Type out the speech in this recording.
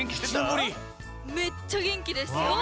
めっちゃげんきですよ！